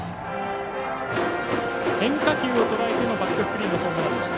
変化球をとらえてのバックスクリーンのホームランでした。